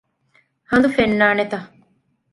ހަނދު ފެންނާނެތަ؟